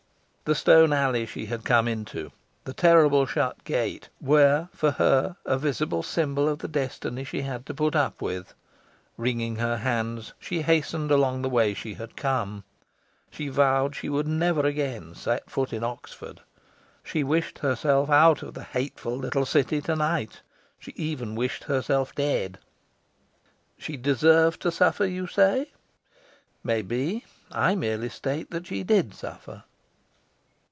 The stone alley she had come into, the terrible shut gate, were for her a visible symbol of the destiny she had to put up with. Wringing her hands, she hastened along the way she had come. She vowed she would never again set foot in Oxford. She wished herself out of the hateful little city to night. She even wished herself dead. She deserved to suffer, you say? Maybe. I merely state that she did suffer.